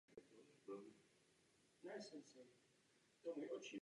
V některých letech byl navzdory bohaté tvorbě téměř bez příjmů.